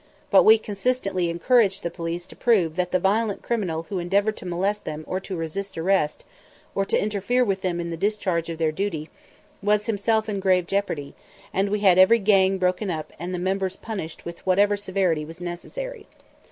But we consistently encouraged the police to prove that the violent criminal who endeavored to molest them or to resist arrest, or to interfere with them in the discharge of their duty, was himself in grave jeopardy; and we had every "gang" broken up and the members punished with whatever severity was necessary.